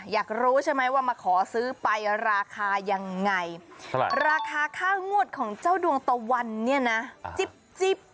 อยากรู้ใช่ไหมว่ามาขอซื้อไปราคายังไงราคาค่างวดของเจ้าดวงตะวันเนี่ยนะจิ๊บ